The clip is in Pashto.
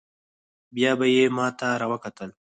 بيا به يې ما ته راوکتل.